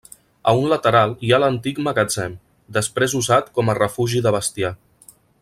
A un lateral hi ha l'antic magatzem després usat com a refugi de bestiar.